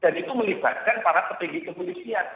dan itu melibatkan para petinggi kepolisian